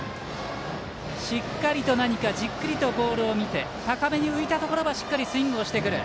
しっかりと何かじっくりとボールを見て高めに浮いたところはスイングしてくる。